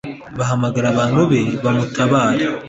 bahamagare abantu be bamutabare